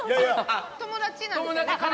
友達なんですよね。